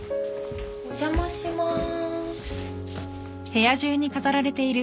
お邪魔します。